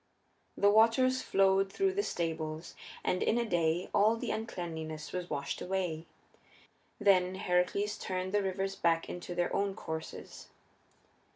The waters flowed through the stables, and in a day all the uncleanness was washed away. Then Heracles turned the rivers back into their own courses.